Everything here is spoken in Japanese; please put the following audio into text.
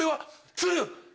鶴！